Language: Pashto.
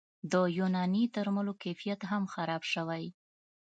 د یوناني درملو کیفیت هم خراب شوی